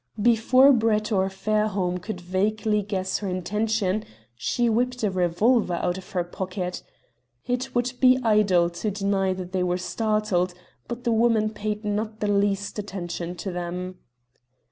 Before Brett or Fairholme could vaguely guess her intention she whipped a revolver out of her pocket. It would be idle to deny that they were startled, but the woman paid not the least attention to them.